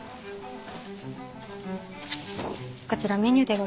こちらメニューでございます。